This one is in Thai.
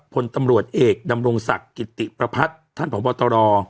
พลตำรวจเอกดำรงศักดิ์กิติประพัฒน์ท่านผอบตร